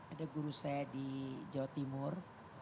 ada guru saya di jawa timur